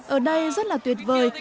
ở đây rất là tuyệt vời